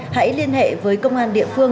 hãy liên hệ với công an địa phương